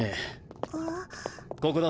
ここだ。